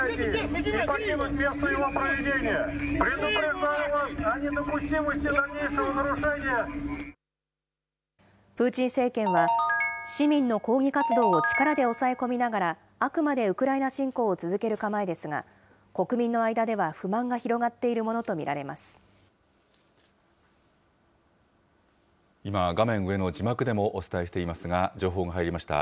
プーチン政権は、市民の抗議活動を力で押さえ込みながら、あくまでウクライナ侵攻を続ける構えですが、国民の間では不満が今、画面上の字幕でもお伝えしていますが、情報が入りました。